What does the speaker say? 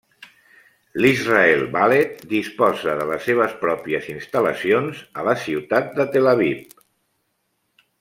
L'Israel Ballet disposa de les seves pròpies instal·lacions a la ciutat de Tel Aviv.